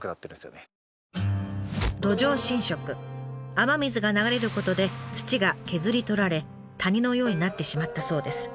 雨水が流れることで土が削り取られ谷のようになってしまったそうです。